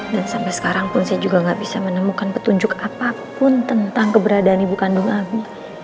dan sampai sekarang pun saya juga gak bisa menemukan petunjuk apapun tentang keberadaan ibu kandung abi